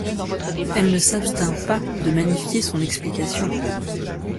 Elle ne s'abstint pas de magnifier son explication.